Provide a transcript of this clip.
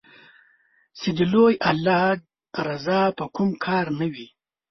چې د لوی الله رضا په کوم کار نــــــــه وي